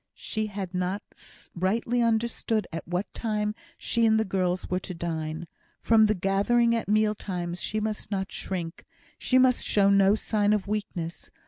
She had not rightly understood at what time she and the girls were to dine. From the gathering at meal times she must not shrink. She must show no sign of weakness.